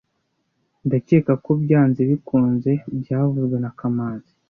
Ndakeka ko byanze bikunze byavuzwe na kamanzi